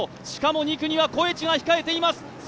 しかも２区にはコエチが控えています。